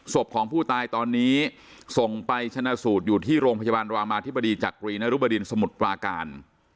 ศพของผู้ตายตอนนี้ส่งไปชนะสูตรอยู่ที่โรงพยาบาลรามาธิบดีจักรีนรุบดินสมุทรปราการ